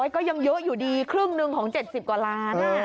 ก็ยังเยอะอยู่ดีครึ่งหนึ่งของ๗๐กว่าล้าน